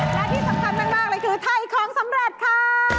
และที่สำคัญมากเลยคือไทยของสำเร็จค่ะ